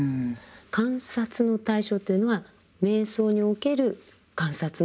観察の対象というのは瞑想における観察の対象？